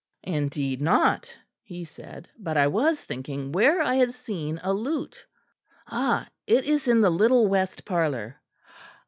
"Indeed not," he said, "but I was thinking where I had seen a lute. Ah! it is in the little west parlour."